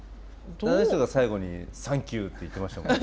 あの人が最後に「サンキュー」って言ってましたもんね。